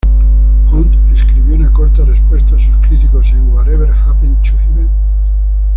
Hunt escribió una corta respuesta a sus críticos en "Whatever Happened to Heaven?